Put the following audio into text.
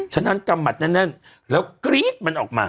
ฉะนั้นกำหมัดแน่นแล้วกรี๊ดมันออกมา